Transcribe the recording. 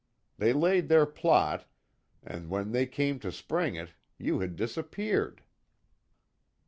They laid their plot, and when they came to spring it, you had disappeared."